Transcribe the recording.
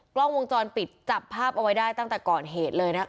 กล้องวงจรปิดจับภาพเอาไว้ได้ตั้งแต่ก่อนเหตุเลยนะคะ